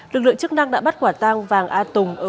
lực lượng chức năng đã bắt quả tang vàng a tùng ở huyện mường